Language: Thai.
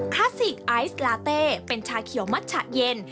คลาสสิกไอซ์ลาเต้เป็นชาเขียวมัชฉะเย็น